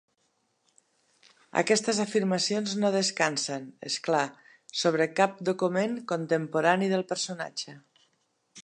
Aquestes afirmacions no descansen, és clar, sobre cap document contemporani del personatge.